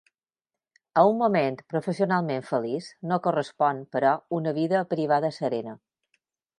A un moment professionalment feliç, no correspon, però, una vida privada serena.